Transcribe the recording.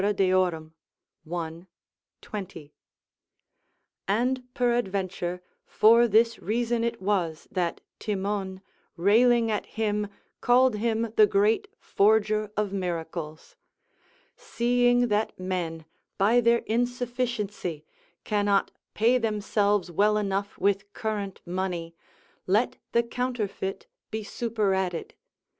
Deor., i. 20.] and peradventure, for this reason it was that Timon, railing at him, called him the great forger of miracles. Seeing that men, by their insufficiency, cannot pay themselves well enough with current money, let the counterfeit be superadded.